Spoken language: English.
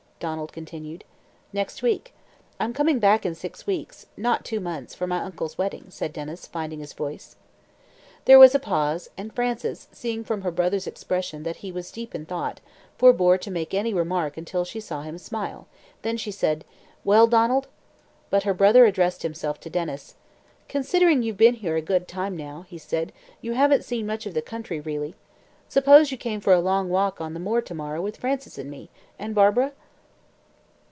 Donald continued. "Next week. I'm coming back in six weeks not two months for my uncle's wedding," said Denys, finding his voice. There was a pause, and Frances, seeing from her brother's expression that he was deep in thought, forbore to make any remark until she saw him smile, then she said "Well, Donald?" But her brother addressed himself to Denys "Considering you've been here a good time now," he said, "you haven't seen much of the country really. Suppose you came for a long walk on the moor to morrow with Frances and me and Barbara?"